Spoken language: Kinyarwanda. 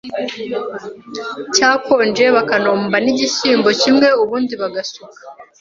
cyakonje bakanomba n’igishyimbo kimwe ubundi bagasuka